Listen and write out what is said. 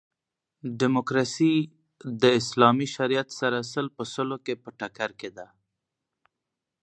ډیموکاسي د اسلامي شریعت سره سل په سلو کښي په ټکر کښي ده.